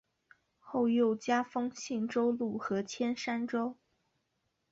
后又加封信州路和铅山州。